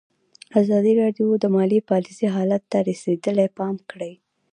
ازادي راډیو د مالي پالیسي حالت ته رسېدلي پام کړی.